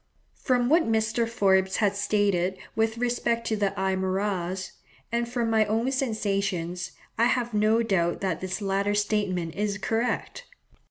From what Mr. Forbes has stated with respect to the Aymaras, and from my own sensations, I have no doubt that this latter statement is correct.